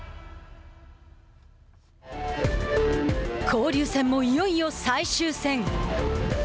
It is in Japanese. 交流戦もいよいよ最終戦。